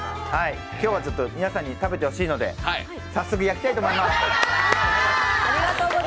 今日は皆さんに食べてほしいので、早速焼きたいと思います。